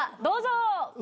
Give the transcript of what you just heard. どうぞ！